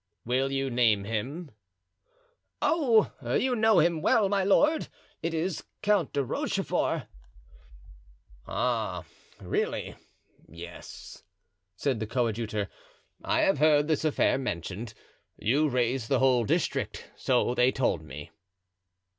"Will you name him?" "Oh, you know him well, my lord—it is Count de Rochefort." "Ah! really, yes," said the coadjutor, "I have heard this affair mentioned. You raised the whole district, so they told me!"